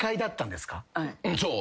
そう。